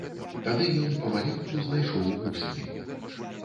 Тады ён памаленьку знайшоў вусны.